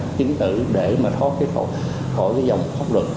chính tự để mà thoát khỏi cái dòng pháp luật